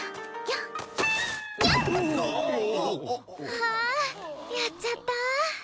あんやっちゃった。